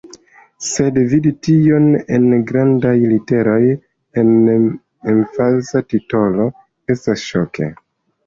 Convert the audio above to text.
Sed vidi tion en grandaj literoj, en emfaza titolo estas ŝoke.